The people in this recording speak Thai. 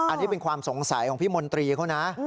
อันนี้เป็นความสงสัยของพี่มนตรีเขานะ